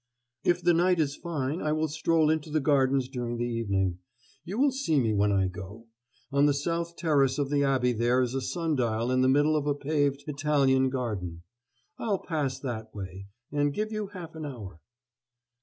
"If the night is fine, I will stroll into the gardens during the evening. You will see me when I go. On the south terrace of the Abbey there is a sun dial in the middle of a paved Italian garden. I'll pass that way, and give you half an hour."